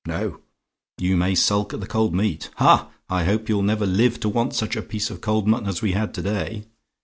No; you may sulk at the cold meat ha! I hope you'll never live to want such a piece of cold mutton as we had to day!